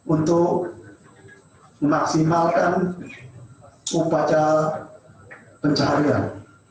untuk memaksimalkan upacar pencaharian